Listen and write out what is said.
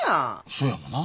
そやもな。